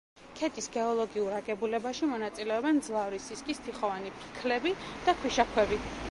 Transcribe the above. ქედის გეოლოგიურ აგებულებაში მონაწილეობენ მძლავრი სისქის თიხოვანი ფიქლები და ქვიშაქვები.